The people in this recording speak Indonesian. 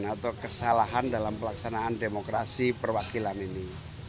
atau kesalahan dalam pelaksanaan demokrasi perwakilan ini